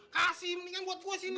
kasih ini kan buat gue sih nih